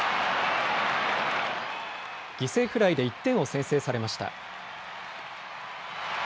犠牲フライで１点を先制されました。